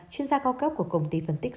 chuyên gia cao cấp của công ty phân tích